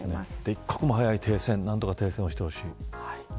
一刻も早く何とか停戦をしてほしい。